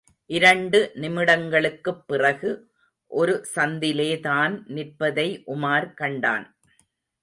இரண்டு நிமிடங்களுக்குப் பிறகு, ஒரு சந்திலே தான் நிற்பதை உமார் கண்டான்.